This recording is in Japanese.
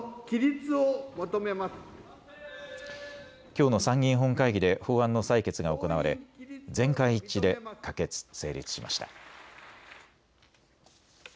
きょうの参議院本会議で法案の採決が行われ全会一致で可決・成立しました。